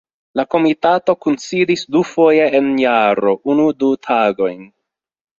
La Komitato kunsidis dufoje en jaro, unu-du tagojn.